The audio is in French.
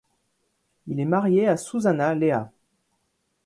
Il est marié à Susanna Lea.